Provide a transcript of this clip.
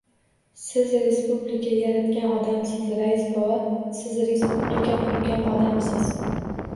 — Siz, respublika yaratgan odamsiz, rais bova, siz respublika qurgan odamsiz!